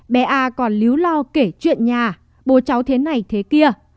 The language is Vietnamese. bé a còn lưu lo kể chuyện nhà bố cháu thế này thế kia